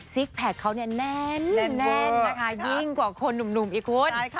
แพคเขาเนี่ยแน่นนะคะยิ่งกว่าคนหนุ่มอีกคุณ